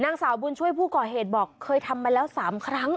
นางสาวบุญช่วยผู้ก่อเหตุบอกเคยทำมาแล้ว๓ครั้ง